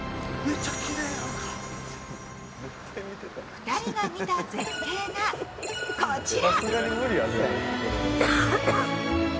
２人が見た絶景が、こちら。